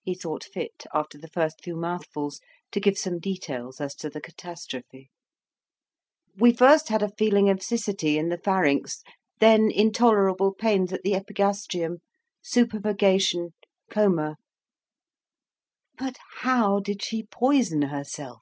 He thought fit, after the first few mouthfuls, to give some details as to the catastrophe. "We first had a feeling of siccity in the pharynx, then intolerable pains at the epigastrium, super purgation, coma." "But how did she poison herself?"